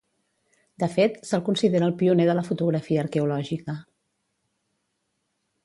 De fet, se'l considera el pioner de la fotografia arqueològica.